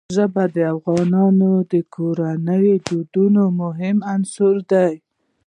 ژبې د افغان کورنیو د دودونو مهم عنصر دی.